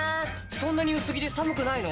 そんなに薄着で寒くないの？